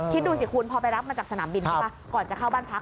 คิดดูซิพอรับมาจากสนามบินก่อนจะเข้าบ้านพัก